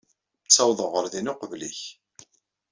Ttawḍeɣ ɣer din uqbel-ik.